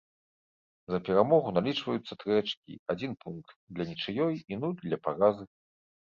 За перамогу налічваюцца тры ачкі, адзін пункт для нічыёй і нуль для паразы.